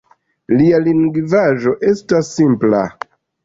Lia lingvaĵo estas simpla.